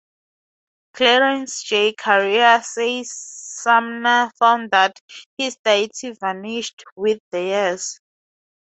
Clarence J. Karier says, Sumner found that his deity vanished with the years.